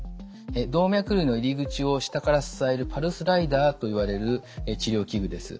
動脈瘤の入り口を下から支えるパルスライダーといわれる治療器具です。